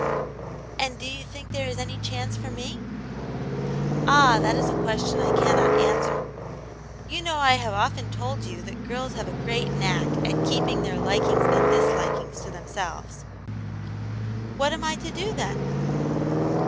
"And do you think there is any chance for me?" "Ah, that is a question I cannot answer. You know I have often told you that girls have a great knack at keeping their likings and dislikings to themselves." " What am I to do, then